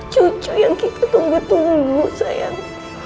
cucu yang kita tunggu tunggu sayang